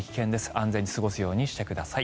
安全に過ごすようにしてください。